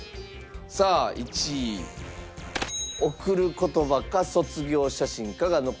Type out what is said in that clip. さあ１位『贈る言葉』か『卒業写真』かが残っております。